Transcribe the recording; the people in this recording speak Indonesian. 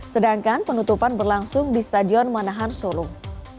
sedangkan penutupan berlangsung di stadion manahan solo